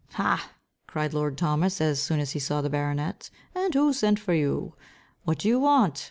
"Ha," cried lord Thomas, as soon as he saw the baronet, "and who sent for you? What do you want?